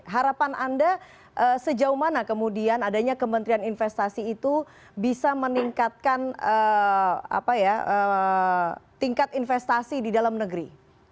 harapan anda sejauh mana kemudian adanya kementerian investasi itu bisa meningkatkan tingkat investasi di dalam negeri